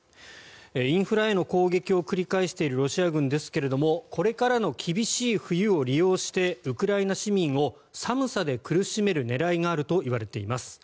インフラへの攻撃を繰り返しているロシア軍ですがこれからの厳しい冬を利用してウクライナ市民を寒さで苦しめる狙いがあるといわれています。